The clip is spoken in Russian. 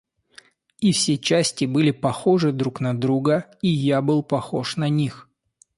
И все части были похожи друг на друга, и я был похож на них.